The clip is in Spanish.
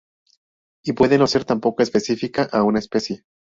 Y puede no ser tampoco específica a una especie.